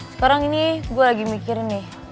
sekarang ini gue lagi mikirin nih